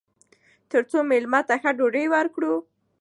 تر څو میلمه ته ښه ډوډۍ ورکړو.